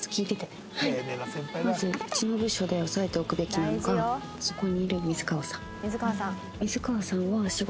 まずうちの部署で押さえておくべきなのがそこにいる水川さん。